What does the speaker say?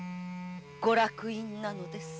ご落胤なのです。